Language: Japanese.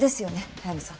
早水さん。